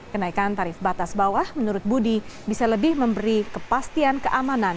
kenaikan tarif batas bawah menurut budi bisa lebih memberi kepastian keamanan